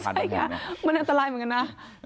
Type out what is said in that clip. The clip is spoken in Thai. ใช่มันอันตรายเหมือนกันนะ